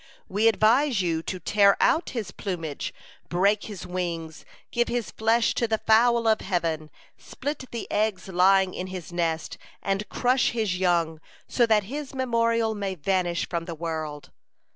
We advise you to tear out his plumage, break his wings, give his flesh to the fowl of heaven, split the eggs lying in his nest, and crush his young, so that his memorial may vanish from the world.